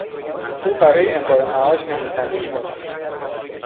او برای امرار معاش نویسندگی میکند.